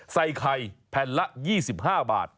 ใส่ไข่แผ่นละ๒๕บาท